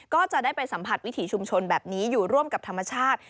ก็จะได้ไปสัมผัสวิถีชุมชนแบบนี้อยู่ร่วมกับธรรมชาติ